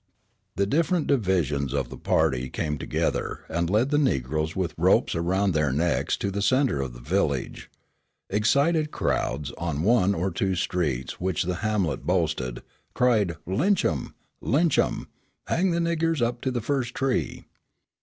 The different divisions of the searching party came together, and led the negroes with ropes around their necks into the centre of the village. Excited crowds on the one or two streets which the hamlet boasted, cried "Lynch 'em, lynch 'em! Hang the niggers up to the first tree!"